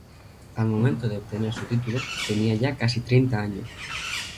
Al momento de obtener su título tenía ya casi treinta años.